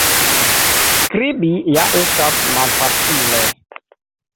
Skribi ja estas malfacile.